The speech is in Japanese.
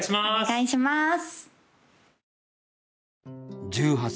お願いします